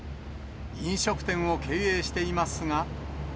飲食店を経営していますが。